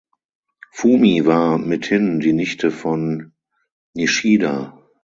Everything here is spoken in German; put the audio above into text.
Fumi war mithin die Nichte von Nishida.